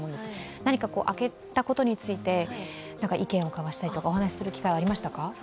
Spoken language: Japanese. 何か明けたことについて意見を交わしたり、お話する機会はありましたか？